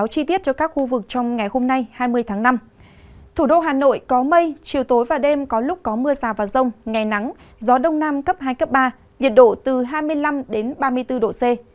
chiều tối và đêm có lúc có mưa rào và rông ngày nắng gió đông nam cấp hai cấp ba nhiệt độ từ hai mươi năm đến ba mươi bốn độ c